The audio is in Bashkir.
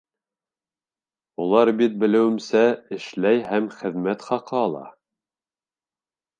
Улар бит, белеүемсә, эшләй һәм хеҙмәт хаҡы ала.